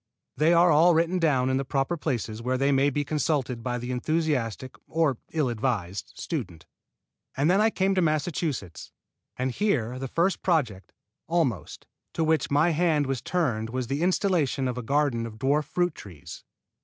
They are all written down in the proper places where they may be consulted by the enthusiastic or ill advised student. And then I came to Massachusetts; and here the first project, almost, to which my hand was turned was the installation of a garden of dwarf fruit trees.